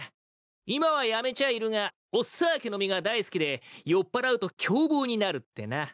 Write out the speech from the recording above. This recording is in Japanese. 今はやめちゃいるがオ・サーケの実が大好きで酔っぱらうと凶暴になるってな。